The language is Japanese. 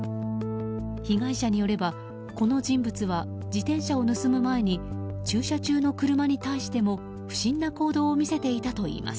被害者によればこの人物は、自転車を盗む前に駐車中の車に対しても不審な行動を見せていたといいます。